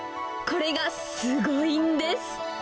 これがすごいんです。